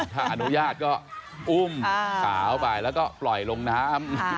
ถ้าอนุญาตก็อุ้มสาวไปแล้วก็ปล่อยลงน้ำ